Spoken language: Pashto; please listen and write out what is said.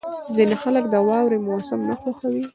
• ځینې خلک د واورې موسم نه خوښوي.